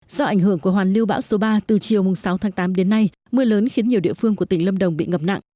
do ảnh hưởng của hoàn lưu bão số ba từ chiều sáu tháng tám đến nay mưa lớn khiến nhiều địa phương của tỉnh lâm đồng bị ngập nặng